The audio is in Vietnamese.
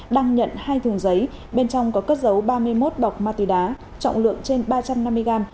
đang nhận hai thùng giấy bên trong có cất dấu ba mươi một bọc ma túy đá trọng lượng trên ba trăm năm mươi gram